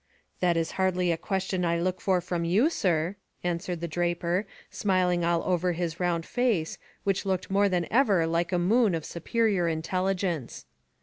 "That is hardly a question I look for from you, sir," returned the draper, smiling all over his round face, which looked more than ever like a moon of superior intelligence.